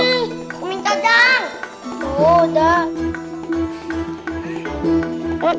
aku minta dong